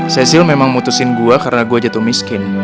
cesil memang mutusin gue karena gue jatuh miskin